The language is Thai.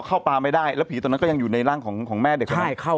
เข้าปลาไม่ได้แล้วผีตอนนั้นก็ยังอยู่ในร่างของแม่เด็กคนนั้น